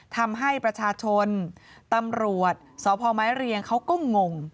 ทำให้ประชาชนตำรวจสพมเขาก็งง